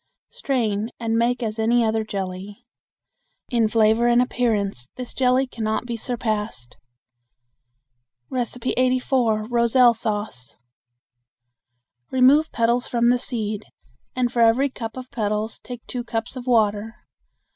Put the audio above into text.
Strain and make as any other jelly. In flavor and appearance this jelly can not be surpassed. 84. Roselle Sauce. Remove petals from the seed, and for every cup of petals take two cups of water.